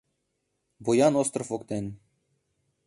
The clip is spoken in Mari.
Буян остров воктен